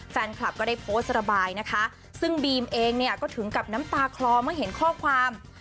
แฟนคลับก็ได้โพสต์ระบายนะคะซึ่งบีมเองเนี่ยก็ถึงกับน้ำตาคลอเมื่อเห็นข้อความ